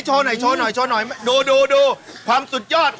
หน่อยโชว์หน่อยโชว์หน่อยดูดูความสุดยอด